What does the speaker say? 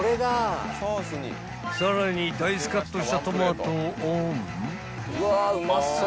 ［さらにダイスカットしたトマトをオン］